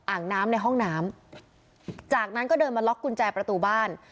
อ่างน้ำในห้องน้ำจากนั้นก็เดินมาล็อกกุญแจประตูบ้าน